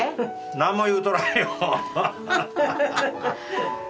何も言うとらんよ。